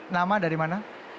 nama dari mana